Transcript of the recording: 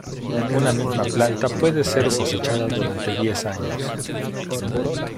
Una misma planta puede ser cosechada durante diez años.